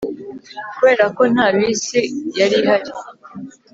kubera ko nta bisi yari ihari